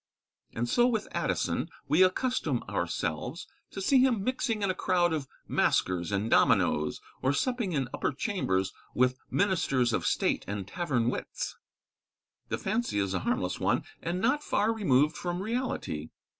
And so with Addison, we accustom ourselves to see him mixing in a crowd of masquers and dominos, or supping in upper chambers with ministers of state and tavern wits. The fancy is a harmless one, and not far removed from reality.